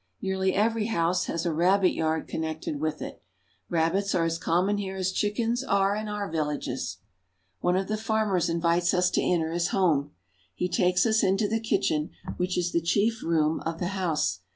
Nearly every house has a rabbit yard connected with it ; rabbits are as common here as chickens are in our villages. One of the farmers invites us to enter his home. He takes us into the kitchen, which is the chief room of the house.